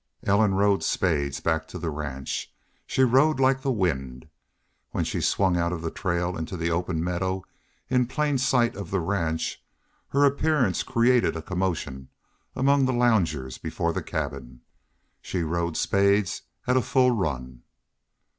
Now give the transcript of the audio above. Ellen rode Spades back to the ranch. She rode like the wind. When she swung out of the trail into the open meadow in plain sight of the ranch her appearance created a commotion among the loungers before the cabin. She rode Spades at a full run.